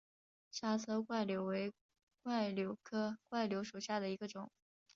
莎车柽柳为柽柳科柽柳属下的一个种。